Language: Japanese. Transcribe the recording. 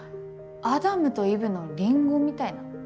アダムとイブのリンゴみたいな？